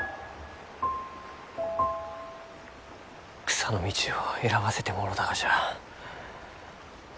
草の道を選ばせてもろうたがじゃ。